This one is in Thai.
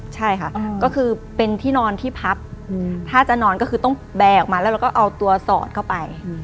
ใช่ค่ะก็คือเป็นที่นอนที่พับถ้าจะนอนก็คือต้องแบร์ออกมาแล้วเราก็เอาตัวสอดเข้าไป